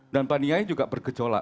dan panianya juga bergejolak